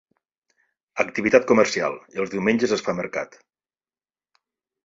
Activitat comercial i els diumenges es fa mercat.